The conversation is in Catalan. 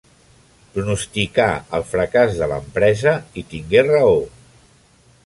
Pronosticà el fracàs de l'empresa i tingué raó.